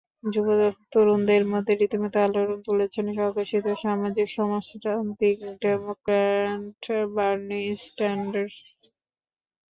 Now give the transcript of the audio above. যুব তরুণদের মধ্যে রীতিমতো আলোড়ন তুলেছেন স্বঘোষিত সামাজিক সমাজতান্ত্রিক ডেমোক্র্যাট বার্নি স্যান্ডার্স।